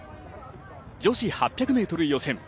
女子８００ｍ予選。